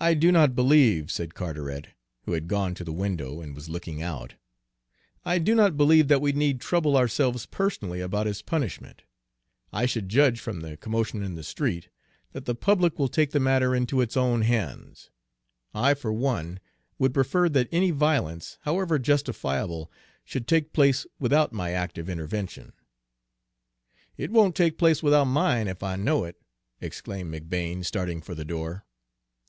"I do not believe," said Carteret, who had gone to the window and was looking out, "I do not believe that we need trouble ourselves personally about his punishment. I should judge, from the commotion in the street, that the public will take the matter into its own hands. I, for one, would prefer that any violence, however justifiable, should take place without my active intervention." "It won't take place without mine, if I know it," exclaimed McBane, starting for the door.